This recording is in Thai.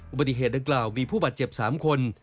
อุบัติเหตุดังกล่าวมีผู้บาดเจ็บ๓คน